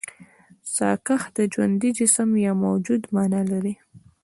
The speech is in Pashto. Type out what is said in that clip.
ساکښ د ژوندي جسم يا موجود مانا لري.